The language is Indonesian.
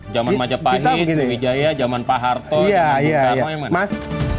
zaman majapahit zulwijaya zaman pak harto zaman bukaro ya mas